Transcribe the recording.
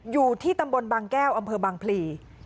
อยู่ที่ตำบลบางแก้วอำเภอบางพลี